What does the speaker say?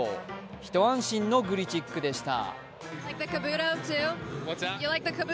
一安心のグリチックでした。